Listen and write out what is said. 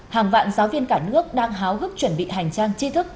hàng vạn giáo viên cả nước đang háo hức chuẩn bị hành trang chi thức